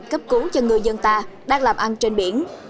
cấp cứu cho người dân ta đang làm ăn trên biển